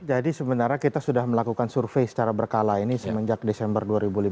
jadi sebenarnya kita sudah melakukan survei secara berkala ini semenjak desember dua ribu lima belas